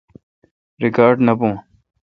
ریکاڑ نہ بھون